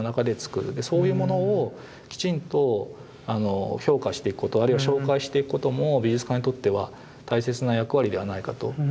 でそういうものをきちんと評価していくことあるいは紹介していくことも美術館にとっては大切な役割ではないかと。